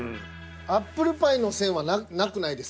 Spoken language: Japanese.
アップルパイの線はなくないですか？